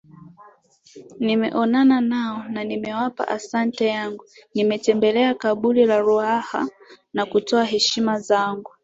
Nimeonana nao na nimewapa asante yangu nimetembelea kaburi la Ruhala na kutoa heshima zangu